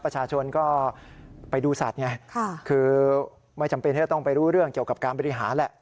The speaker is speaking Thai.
ประชาชนก็ไปดูสัตว์ไงคือไม่จำเป็นที่จะต้องไปรู้เรื่องเกี่ยวกับการบริหารแหละ